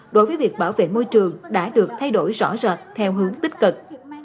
đối với việc bảo vệ môi trường đã được thay đổi rõ rệt theo hướng tích cực